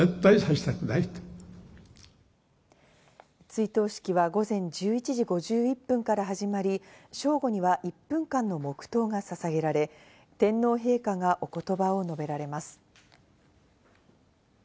追悼式は午前１１時５１分から始まり、正午には１分間の黙とうが捧げられ、天皇陛下がお言葉を述べられます。